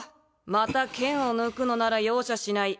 また剣を抜くのなら容赦しない。